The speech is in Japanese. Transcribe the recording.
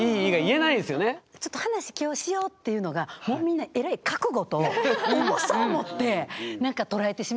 「ちょっと話今日しよう」って言うのがもうみんなえらい覚悟と重さを持ってなんか捉えてしまうから。